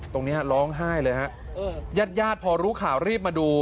ตรงนี้ร้องไห้เลยฮะญาติญาติพอรู้ข่าวรีบมาดู